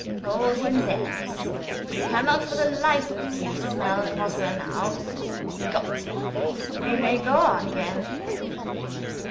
"Hold him there, Miss. You cannot for the life of you smell Grosse now. Goot! We may go on again."